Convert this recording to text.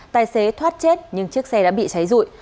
tài xế thoát chết nhưng chiếc xe đã bị cháy rụi